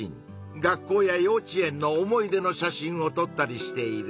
学校やようちえんの思い出の写真をとったりしている。